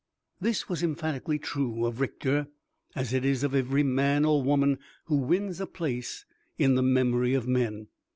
This was emphatically true of Richter, as it is of every man or woman who wins a place in the memory of men.